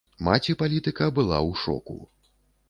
Маці палітыка была ў шоку.